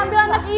ibu masih sakit